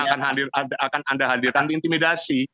saksi yang akan anda hadirkan diintimidasi